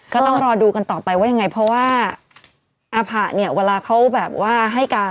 ก็ต้องรอดูกันต่อไปว่ายังไงเพราะว่าอาผะเนี่ยเวลาเขาแบบว่าให้การ